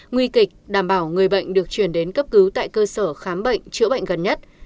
nguy kịch đảm bảo người bệnh được chuyển đến cấp cứu tại cơ sở khám bệnh chữa bệnh gần nhất